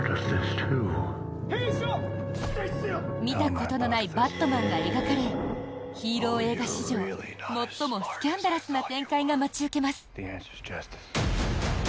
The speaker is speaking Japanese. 見たことのないバットマンが描かれヒーロー映画史上最もスキャンダラスな展開が待ち受けます。